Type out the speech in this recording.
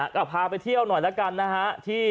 ก็พาไปเที่ยวหน่อยละกันที่